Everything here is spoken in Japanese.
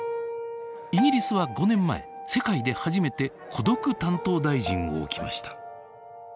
イギリスは５年前世界で初めて孤独担当大臣を置きました。